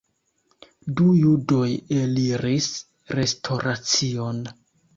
Du judoj eliris restoracion.